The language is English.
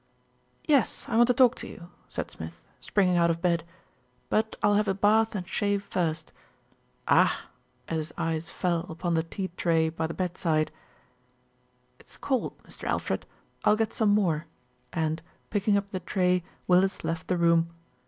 "Yes, I want to talk to you," said Smith, springing out of bed ; "but I'll have a bath and shave first. Ah !" as his eyes fell upon the tea tray by the bedside. "It's cold, Mr. Alfred, I'll get some more," and, picking up the tray, Willis left the room.